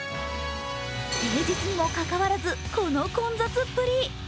平日にもかかわらず、この混雑っぷり。